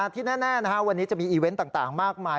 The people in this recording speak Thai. ที่แน่วันนี้จะมีอีเวนต์ต่างมากมาย